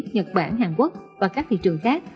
nhật bản hàn quốc và các thị trường khác